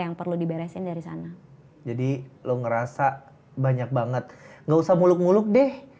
gak usah muluk muluk deh